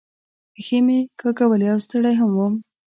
پښې مې کاږولې او ستړی هم ووم.